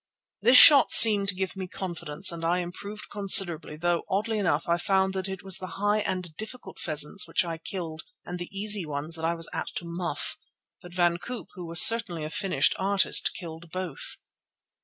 This shot seemed to give me confidence, and I improved considerably, though, oddly enough, I found that it was the high and difficult pheasants which I killed and the easy ones that I was apt to muff. But Van Koop, who was certainly a finished artist, killed both.